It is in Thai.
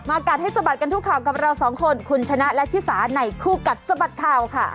กัดให้สะบัดกันทุกข่าวกับเราสองคนคุณชนะและชิสาในคู่กัดสะบัดข่าวค่ะ